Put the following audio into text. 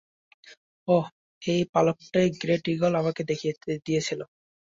ওহ, এই পালকটাই great eagle আমাকে দিয়েছিল।